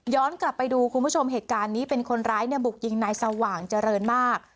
กลับไปดูคุณผู้ชมเหตุการณ์นี้เป็นคนร้ายเนี่ยบุกยิงนายสว่างเจริญมาก